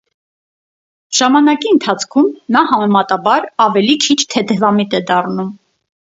Ժամանակի ընթացքում նա համեմատաբար ավելի քիչ թեթևամիտ է դառնում։